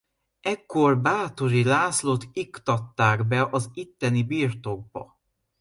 Ekkor Báthory Lászlót iktatták be az itteni birtokba.